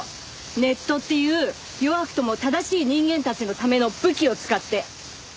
ネットっていう弱くとも正しい人間たちのための武器を使って。